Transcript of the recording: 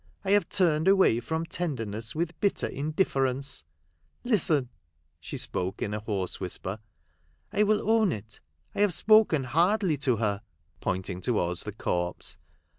I have turned away from tender ness with bitter indifference. Listen !" she spoke in a hoarse whisper. " I will own it. I have spoken hardly to her," pointing towards the corpse.